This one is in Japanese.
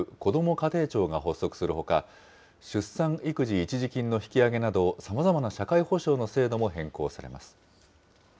家庭庁が発足するほか、出産育児一時金の引き上げなど、さまざまな社会保障の制度も変更されます。